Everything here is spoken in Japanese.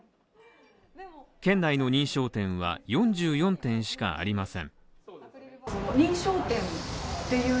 県内の認証店は４４店しかありません。